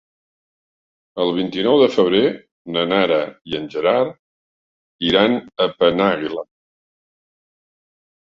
El vint-i-nou de febrer na Nara i en Gerard iran a Penàguila.